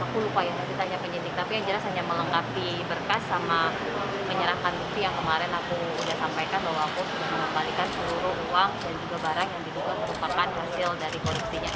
aku lupa yang tadi tanya penyelidik tapi yang jelas hanya melengkapi berkas sama menyerahkan bukti yang kemarin aku udah sampaikan bahwa aku mengembalikan seluruh uang dan juga barang yang diberikan merupakan hasil dari korupsinya